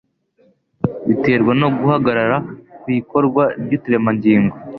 biterwa no guhagarara ku ikorwa ry'uturemangingo